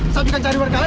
sambil cari warga lain